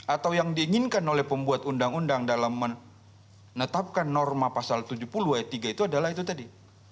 atau yang diinginkan oleh pembuat undang undang dalam menetapkan norma pasal tujuh puluh ayat tiga itu adalah itu tadi